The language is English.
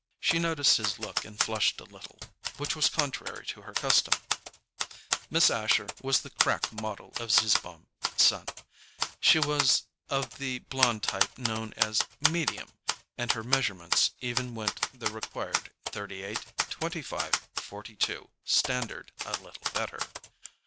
She noticed his look and flushed a little, which was contrary to her custom. Miss Asher was the crack model of Zizzbaum & Son. She was of the blond type known as "medium," and her measurements even went the required 38 25 42 standard a little better.